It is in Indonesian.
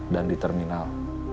dan di terminal